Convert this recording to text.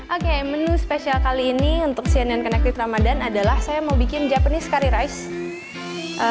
oke menu spesial kali ini untuk cnn connected ramadhan adalah saya mau bikin japanese curry rice